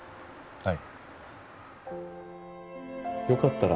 はい